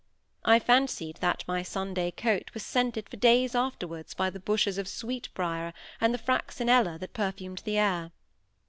I fancied that my Sunday coat was scented for days afterwards by the bushes of sweetbriar and the fraxinella that perfumed the air.